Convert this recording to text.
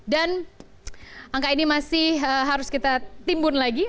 dan angka ini masih harus kita timbun lagi